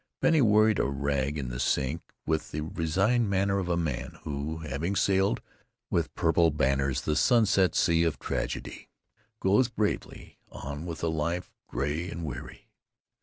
Bennie worried a rag in the sink with the resigned manner of a man who, having sailed with purple banners the sunset sea of tragedy, goes bravely on with a life gray and weary.